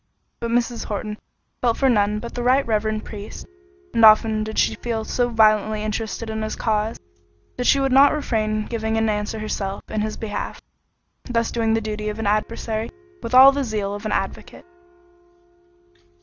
But Mrs. Horton felt for none but the right reverend priest; and often did she feel so violently interested in his cause, that she could not refrain giving an answer herself in his behalf—thus doing the duty of an adversary with all the zeal of an advocate.